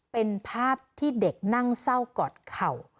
เป็นภาพที่เด็กนั่งเศร้ากอดเข่า